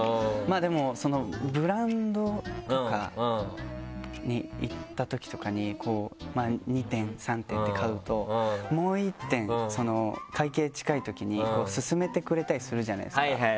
でもブランドとかに行ったときとかに２点３点って買うともう１点会計近いときに薦めてくれたりするじゃないですか。